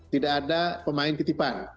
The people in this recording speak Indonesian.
tidak ada pemain titipan